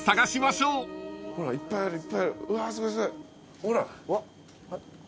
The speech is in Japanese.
ほら！